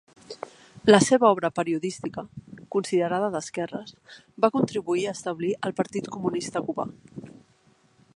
La seva obra periodística, considerada d'esquerres, va contribuir a establir el partit comunista cubà.